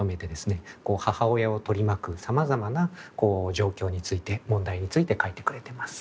母親を取り巻くさまざまな状況について問題について書いてくれてます。